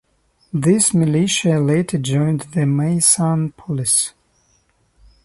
These militia later joined the Maysan police.